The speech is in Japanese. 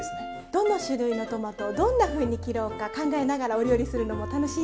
どの種類のトマトをどんなふうに切ろうか考えながらお料理するのも楽しいですよね。